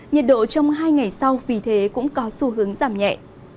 nhiệt độ trong hai ngày sau vì thế cũng có xu hướng giảm nhẹ